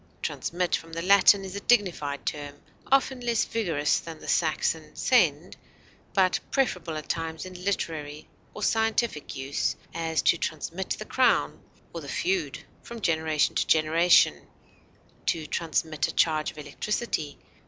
Transmit, from the Latin, is a dignified term, often less vigorous than the Saxon send, but preferable at times in literary or scientific use; as, to transmit the crown, or the feud, from generation to generation; to transmit a charge of electricity.